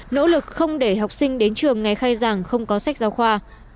nỗ lực không để học sinh đến trường ngày khai giảng không có sách giáo khoa